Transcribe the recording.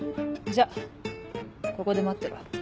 じゃあここで待ってろ。